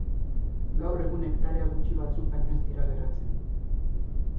Gaur egun hektarea gutxi batzuk baino ez dira geratzen.